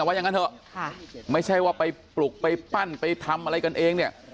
ว่าอย่างนั้นเถอะไม่ใช่ว่าไปปลุกไปปั้นไปทำอะไรกันเองเนี่ย